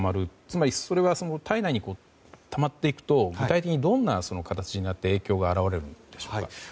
つまり、それは体内にたまっていくとどんな形になって影響が表れるんでしょうか。